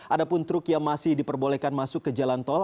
ada pun truk yang masih diperbolehkan masuk ke jalan tol